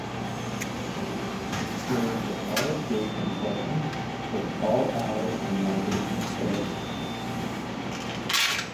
It is the tallest bridge in Portland, with tall towers and a navigational clearance.